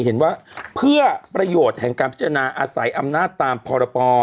เห็นว่าเพื่อประโยชน์แห่งการพิจารณาอาศัยอำนาจตามพรป